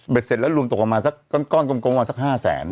เบ็ดเสร็จแล้วรวมตกมาสักกั้นก้อนกลมมาสักห้าแสน